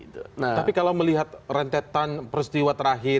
tapi kalau melihat rentetan peristiwa terakhir